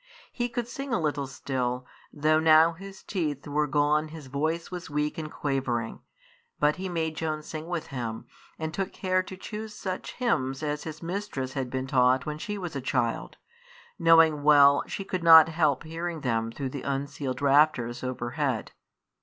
He could sing a little still, though now his teeth were gone his voice was weak and quavering; but he made Joan sing with him, and took care to choose such hymns as his mistress had been taught when she was a child, knowing well she could not help hearing them through the unceiled rafters overhead.